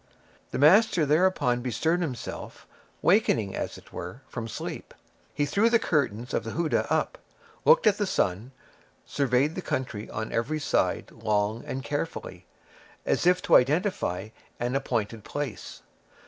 The master thereupon bestirred himself, waking, as it were, from sleep. He threw the curtains of the houdah up, looked at the sun, surveyed the country on every side long and carefully, as if to identify an appointed place.